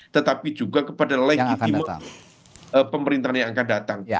tetapi juga kepada legitime pemerintahan yang akan datang